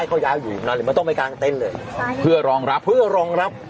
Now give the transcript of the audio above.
ให้เขาอยู่มันต้องไปกลางเต็นต์เลยเพื่อรองรับเพื่อรองรับ